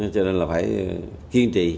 cho nên là phải kiên trì